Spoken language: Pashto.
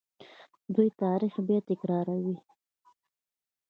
دوی تاریخ بیا تکراروي.